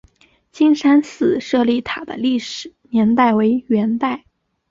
金山寺舍利塔的历史年代为元代。